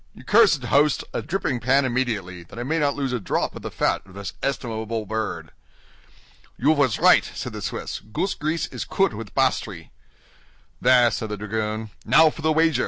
You cursed host! a dripping pan immediately, that I may not lose a drop of the fat of this estimable bird." "You was right," said the Swiss; "goose grease is kood with basdry." "There!" said the dragoon. "Now for the wager!